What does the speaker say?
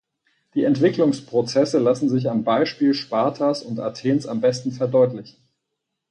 Die Entwicklungsprozesse lassen sich am Beispiel Spartas und Athens am besten verdeutlichen.